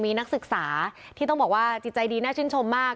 มีนักศึกษาที่ต้องบอกว่าจิตใจดีน่าชื่นชมมาก